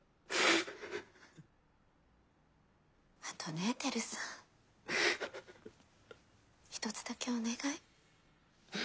あとね輝さん一つだけお願い。